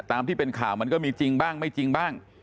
ตามที่เป็นข่าวมันก็มีจริงบ้างไม่จริงบ้าง